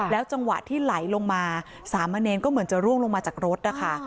จังหวะที่ไหลลงมาสามเณรก็เหมือนจะร่วงลงมาจากรถนะคะ